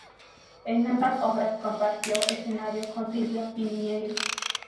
En ambas obras compartió escenario con Silvia Piñeiro.